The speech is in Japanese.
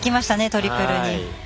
トリプルに。